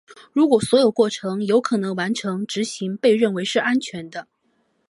如果所有过程有可能完成执行被认为是安全的。